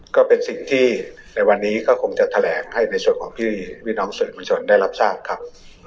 ก็เป็นสิ่งที่ในวันนี้ก็คงจะแถลงให้ในส่วนของพี่น้องสื่อมวลชนได้รับทราบครับ